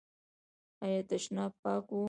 ایا تشناب پاک و؟